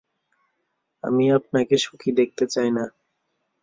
আমি আপনাকে সুখী দেখতে চাই না।